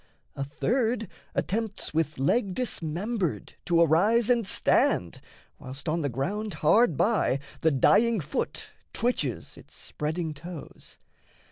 A third attempts With leg dismembered to arise and stand, Whilst, on the ground hard by, the dying foot Twitches its spreading toes.